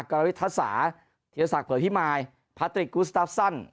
กราวิทยาศาสตร์เทียรศักดิ์เผลอพิมายพาตริกกูสตาฟซั่น